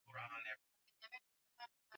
kwa kiasi kikubwa Shirika hili lilifanya mambo